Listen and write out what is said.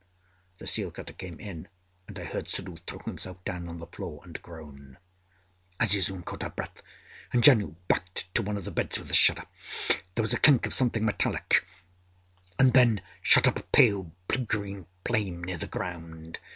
The seal cutter came in, and I heard Suddhoo throw himself down on the floor and groan. Azizun caught her breath, and Janoo backed to one of the beds with a shudder. There was a clink of something metallic, and then shot up a pale blue green flame near the ground.